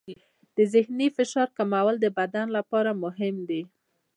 د ذهني فشار کمول د بدن لپاره مهم دي.